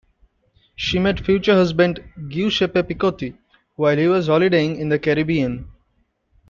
She met future husband, Giuseppe Piccotti, while he was holidaying in the Caribbean.